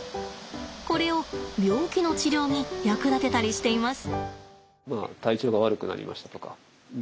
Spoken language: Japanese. これを病気の治療に役立てたりしています。